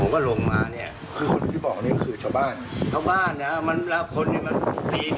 เพราะผมก็ลงมาเนี่ย